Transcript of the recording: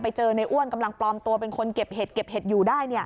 ไปเจอในอ้วนกำลังปลอมตัวเป็นคนเก็บเห็ดอยู่ได้